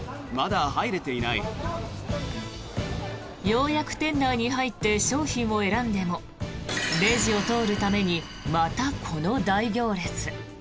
ようやく店内に入って商品を選んでもレジを通るためにまたこの大行列。